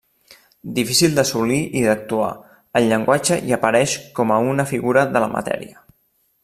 Difícil d'assolir i d'actuar, el llenguatge hi apareix com a una figura de la matèria.